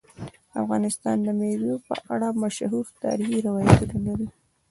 افغانستان د مېوې په اړه مشهور تاریخی روایتونه لري.